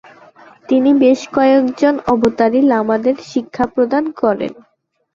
তিনি বেশ কয়েকজন অবতারী লামাদের শিক্ষাপ্রদান করেন।